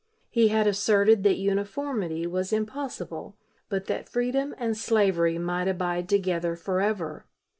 He had asserted that uniformity was impossible, but that freedom and slavery might abide together forever.